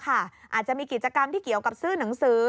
อาจจะมีกิจกรรมที่เกี่ยวกับซื้อหนังสือ